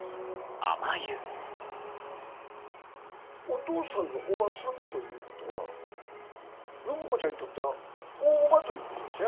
お父さんの叔母さんということは暢子ちゃんにとっては大叔母ということヤサヤ。